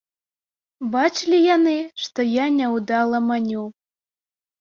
Бачылі яны, што я няўдала маню.